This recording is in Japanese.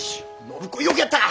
暢子よくやった！